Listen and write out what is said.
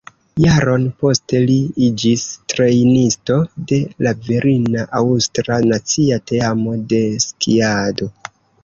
Jaron poste li iĝis trejnisto de la virina aŭstra nacia teamo de skiado.